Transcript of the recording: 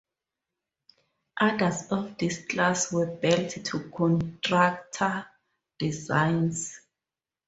Others of this class were built to contractor designs.